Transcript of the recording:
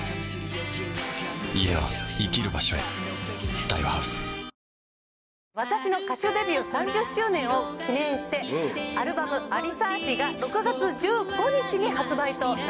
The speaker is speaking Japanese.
「ＭＡＲＥ」家は生きる場所へ私の歌手デビュー３０周年を記念してアルバム『Ａｌｉ３０』が６月１５日に発売となります。